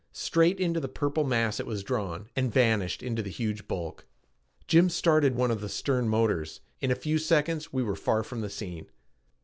Straight into the purple mass it was drawn, and vanished into the huge bulk. Jim started one of the stern motors. In a few seconds we were far from the scene.